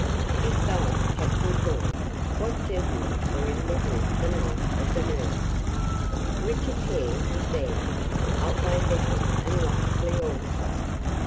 "Besides Captain Thorn, what gentlemen were in the wood the night of the murder?" "Richard Hare was there. Otway Bethel and Locksley also.